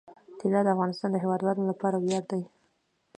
طلا د افغانستان د هیوادوالو لپاره ویاړ دی.